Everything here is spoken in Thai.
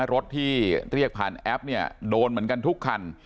รถที่เรียกผ่านแอปเนี่ยโดนเหมือนกันทุกคัน